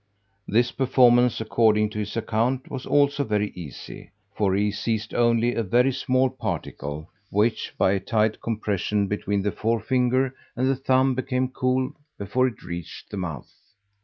This performance, according to his account, was also very easy; for he seized only a very small particle, which, by a tight compression between the forefinger and the thumb, became cool before it reached the mouth.